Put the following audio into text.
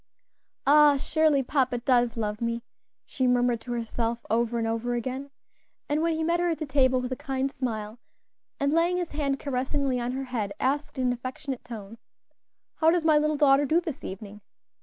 "Ah! surely papa does love me," she murmured to herself over and over again; and when he met her at the table with a kind smile, and laying his hand caressingly on her head, asked in an affectionate tone, "How does my little daughter do this evening?"